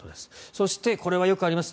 そして、これはよくあります